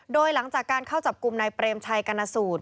โดยหลังจากการเข้าจับกลุ่มนายเปรมชัยกรณสูตร